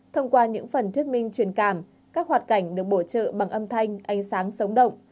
thông qua những phần thuyết minh truyền cảm các hoạt cảnh được bổ trợ bằng âm thanh ánh sáng sống động